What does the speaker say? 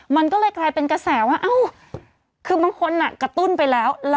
มันก็เลยกลายเป็นกระแสว่าคือบางคนกระตุ้นไปแล้ว